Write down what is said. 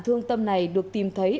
thương tâm này được tìm thấy